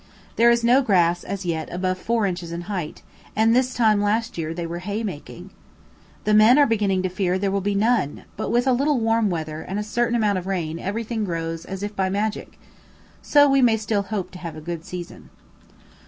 There is no grass as yet above four inches in height, and this time last year they were hay making. The men are beginning to fear there will be none; but with a little warm weather and a certain amount of rain everything grows as if by magic, so we may still hope to have a good season.